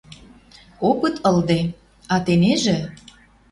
Опыт ылде. А тенежӹ